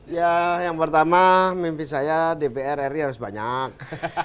ya yang pertama mimpi saya dpr ri harus banyak